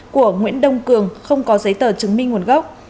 của nguyễn đông cường không có giấy tờ chứng minh nguồn gốc